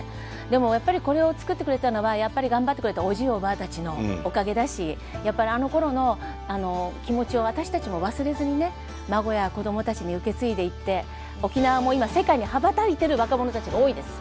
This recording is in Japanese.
でもやっぱりこれをつくってくれたのは頑張ってくれたおじいおばあたちのおかげだしやっぱりあのころの気持ちを私たちも忘れずにね孫や子どもたちに受け継いでいって沖縄も今世界に羽ばたいてる若者たちが多いです。